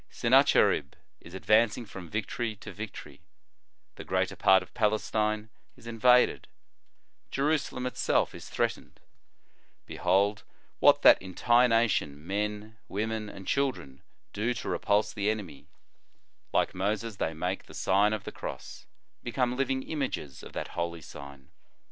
Sennacherib is advancing from victory to victory. The greater part of Palestine is * 3 Kings viii. 2 2. et seq. 9* 102 The Sign of the Cross, invaded ; Jerusalem itself is threatened. Be hold what that entire nation, men, women, and children, do to repulse the enemy. Like Moses, they make the Sign of the Cross ; become living images of that holy sign.